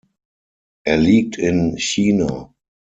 Er liegt in China.